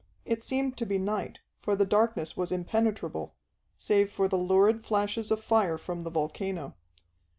It seemed to be night, for the darkness was impenetrable, save for the lurid flashes of fire from the volcano.